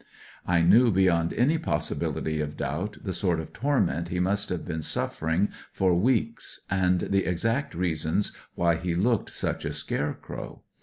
I knew beyond any possi bility of doubt the sort of torment he must have been suffering for weeks and the exact reasons why he looked such a scarecrow.